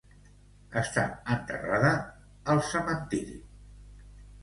Està enterrada al cementiri Mount Hope, a Hastings-on-Hudson, Nova York.